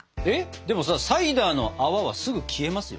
でもさサイダーの泡はすぐ消えますよ。